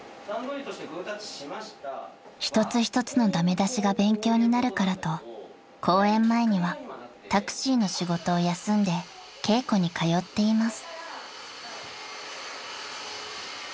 ［一つ一つの駄目出しが勉強になるからと公演前にはタクシーの仕事を休んで稽古に通っています］